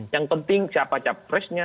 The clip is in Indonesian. yang penting siapa capresnya